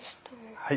はい。